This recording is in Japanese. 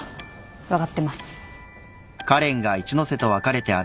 分かってます。